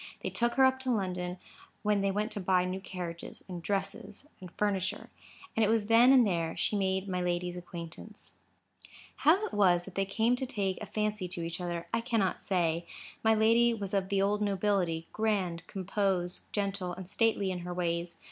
They took her up to London, when they went to buy new carriages, and dresses, and furniture. And it was then and there she made my lady's acquaintance. How it was that they came to take a fancy to each other, I cannot say. My lady was of the old nobility,—grand, compose, gentle, and stately in her ways.